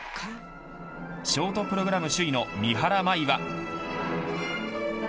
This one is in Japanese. ショートプログラム首位の三原舞依は。